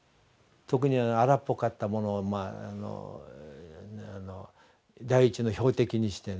特に荒っぽかった者を第一の標的にしてね。